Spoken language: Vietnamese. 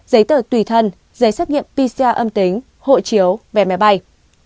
giấy tờ tùy thân giấy xác nghiệm pcr âm tính hộ chiếu vé máy bay